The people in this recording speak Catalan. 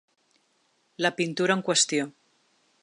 La pintura en qüestió.